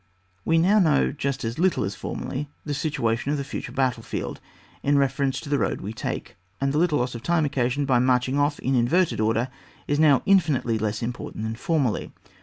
We know now just as little as formerly the situa tion of the future battle field in refer ence to the road we take ; and the little loss of time occasioned by marching off in inverted order is now infinitely less im portant than formerly.